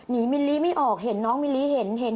หนีมะม่วงไม่ออกเห็นน้องมะม่วงเห็น